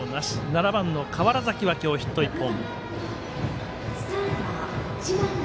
７番の川原崎は今日ヒット１本。